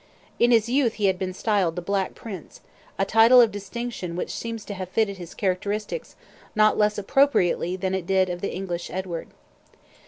In his youth he had been styled "the Black Prince," a title of distinction which seems to have fitted his characteristics not less appropriately than it did those of the English Edward.